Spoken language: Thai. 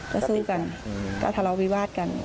ก็สู้กันก็ทะเลาวิวาสกัน